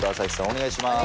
お願いします。